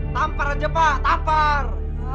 tampar aja pak tampar